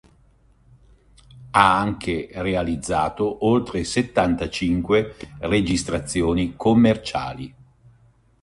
Ha anche realizzato oltre settantacinque registrazioni commerciali.